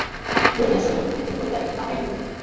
– বলিয়া শৈলর কৃত্রিম গোঁফটা একটু পাকাইয়া দিল।